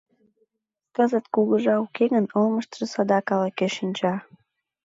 Кызыт кугыжа уке гын, олмыштыжо садак ала-кӧ шинча.